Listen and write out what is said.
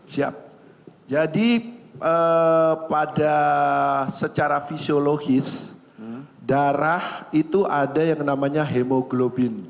siap jadi pada secara fisiologis darah itu ada yang namanya hemoglobin